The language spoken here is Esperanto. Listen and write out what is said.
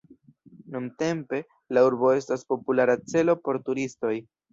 Nuntempe, la urbo estas populara celo por turistoj.